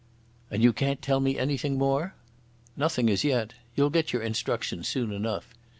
"And you can't tell me anything more?" "Nothing as yet. You'll get your instructions soon enough.